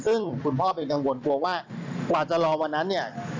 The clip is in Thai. ซึ่งคุณพ่อเป็นกังวลกลัวว่ากว่าจะรอวันนั้นเนี่ย